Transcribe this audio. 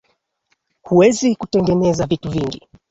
Hauwezi kutengeneza vitu vingi